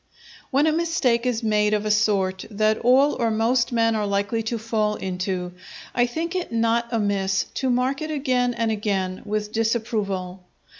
_" When a mistake is made of a sort that all or most men are likely to fall into, I think it not amiss to mark it again and again with disapproval.